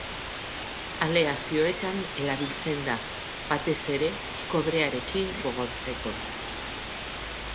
Aleazioetan erabiltzen da, batez ere kobrearekin, gogortzeko.